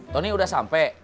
tony udah sampe